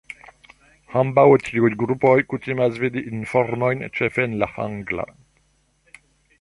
Ambaŭ tiuj grupoj kutimas vidi informojn ĉefe en la angla.